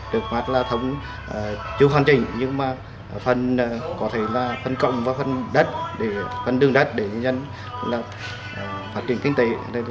được mặt là thống chưa hoàn chỉnh nhưng mà phần có thể là phần cộng và phần đất phần đường đất để nhân dân phát triển kinh tế